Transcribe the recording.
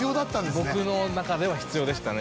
僕の中では必要でしたね